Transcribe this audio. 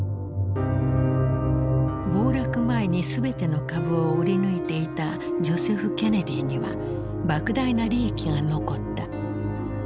暴落前に全ての株を売り抜いていたジョセフ・ケネディにはばく大な利益が残った。